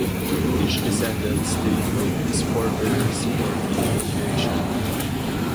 Each descendant stayed with his forebear's party affiliation.